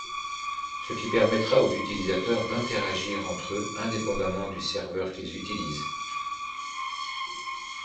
Ce qui permettra aux utilisateurs d’interagir entre eux indépendamment du serveur qu'ils utilisent.